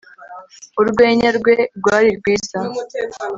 Urwenya rwe rwari rwiza